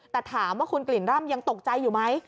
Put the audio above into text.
แต่ถามว่าคุณกลิ่นร่ำยังตกใจอยู่ไหม